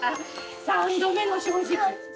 三度目の正直。